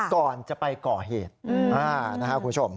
ก่อนจะไปก่อเหตุนะครับคุณผู้ชม